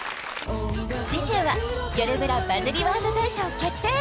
次週はよるブラバズりワード大賞決定！